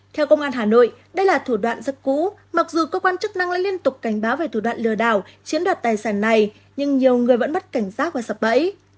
theo công an hà nội đây là thủ đoạn rất cũ mặc dù cơ quan chức năng đã liên tục cảnh báo về thủ đoạn lừa đảo chiếm đoạt tài sản này nhưng nhiều người vẫn mất cảnh giác và sập bẫy